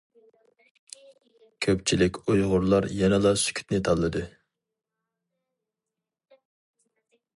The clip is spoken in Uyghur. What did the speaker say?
كۆپچىلىك ئۇيغۇرلار يەنىلا سۈكۈتنى تاللىدى.